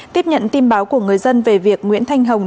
tiếp nhận tin báo của người dân về việc nguyễn thanh hồng